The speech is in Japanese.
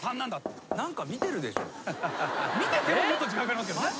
見ててももっと時間かかりますけどね。